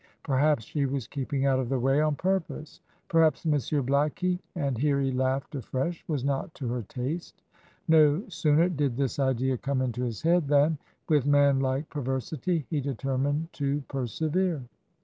Perhaps she was keeping out of the way on purpose. Perhaps Monsieur Blackie and here he laughed afresh was not to her taste. No sooner did this idea come into his head than, with manlike perversity, he determined to persevere.